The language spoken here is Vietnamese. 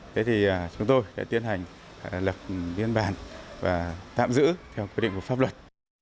thế thì chúng tôi sẽ tiến hành lập biên bản và tạm giữ theo quy định của pháp luật